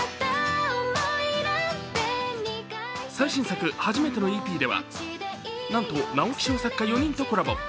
最新作「はじめてのーＥＰ」ではなんと直木賞作家４人とコラボ。